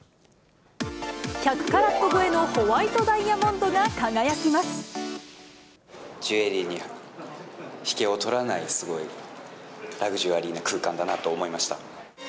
１００カラット超えのホワイジュエリーに引けを取らない、すごいラグジュアリーな空間だなと思いました。